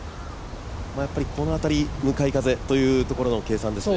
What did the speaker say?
このあたり、向かい風というところの計算ですね。